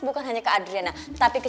bukan hanya ke adriana tapi ke